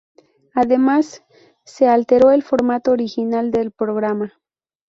Además, se alteró el formato original del programa.